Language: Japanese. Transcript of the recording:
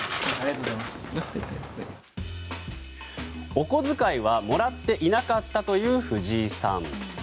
お小遣いはもらっていなかったという藤井さん。